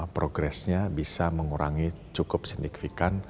progresnya bisa mengurangi cukup signifikan